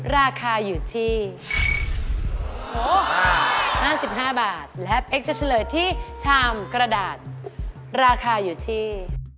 ราคาอยู่ที่๕๕บาทและเป๊กจะเฉลยที่ชามกระดาษราคาอยู่ที่